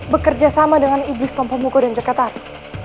bekerja sama dengan iblis tompomugo dan jakataru